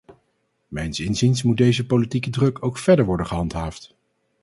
Mijns inziens moet deze politieke druk ook verder worden gehandhaafd.